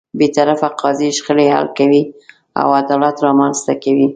بېطرفه قاضی شخړې حل کوي او عدالت رامنځته کوي.